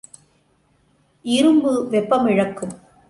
இரும்பு வெப்பம் இழக்கும்.